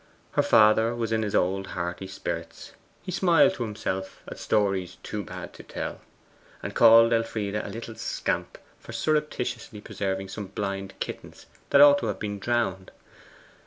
Her father was in his old hearty spirits. He smiled to himself at stories too bad to tell, and called Elfride a little scamp for surreptitiously preserving some blind kittens that ought to have been drowned.